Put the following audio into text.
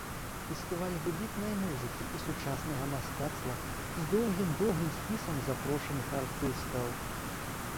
Фестываль выбітнай музыкі і сучаснага мастацтва, з доўгім-доўгім спісам запрошаных артыстаў.